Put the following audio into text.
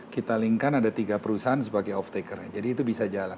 kita link kan ada tiga perusahaan sebagai off taker jadi itu bisa jalan